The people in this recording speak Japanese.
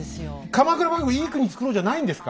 鎌倉幕府「いい国つくろう」じゃないんですか？